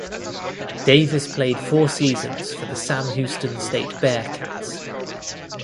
Davis played four seasons for the Sam Houston State Bearkats.